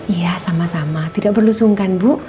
iya sama sama tidak perlu sungkan bu